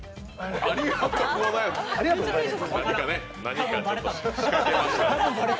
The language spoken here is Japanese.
ありがとうございます。